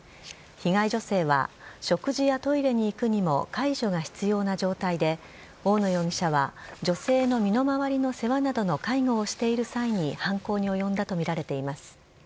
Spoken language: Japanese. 被害女性は食事やトイレに行くにも介助が必要な状態で大野容疑者は女性の身の回りの世話などの介護をしている際に犯行に及んだとみられています。